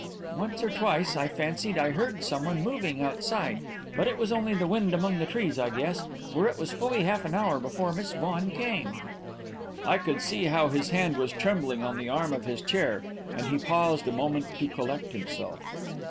Once or twice I fancied I heard some one moving outside, but it was only the wind among the trees, I guess, for it was fully half an hour before Miss Vaughan came." I could see how his hand was trembling on the arm of his chair, and he paused a moment to collect himself.